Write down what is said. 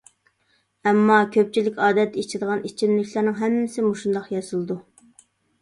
ئەمما، كۆپچىلىك ئادەتتە ئىچىدىغان ئىچىملىكلەرنىڭ ھەممىسى مۇشۇنداق ياسىلىدۇ.